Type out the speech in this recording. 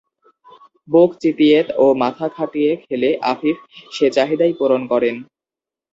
বুক চিতিয়ে ও মাথা খাটিয়ে খেলে আফিফ সে চাহিদাই পূরণ করেন।